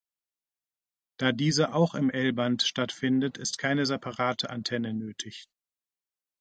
Da diese auch im L-Band stattfindet, ist keine separate Antenne nötig.